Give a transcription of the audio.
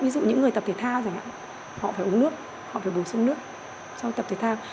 ví dụ những người tập thể thao họ phải uống nước họ phải bổ sung nước trong tập thể thao